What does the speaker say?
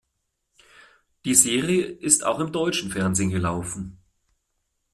Die Serie ist auch im deutschen Fernsehen gelaufen.